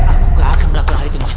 aku gak akan melakukan hal itu ma